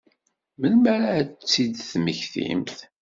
Melmi ara ad tt-id-temmektimt?